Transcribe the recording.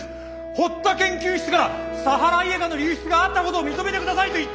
堀田研究室からサハライエカの流出があったことを認めてくださいと言っているのです！